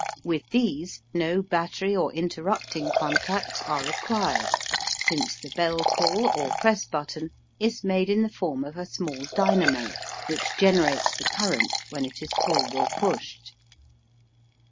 With these no battery or interrupting contacts are required, since the bell pull or press button is made in the form of a small dynamo which generates the current when it is pulled or pushed.